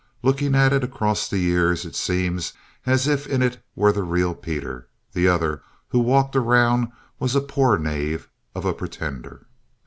Looking at it across the years, it seems as if in it were the real Peter. The other, who walked around, was a poor knave of a pretender.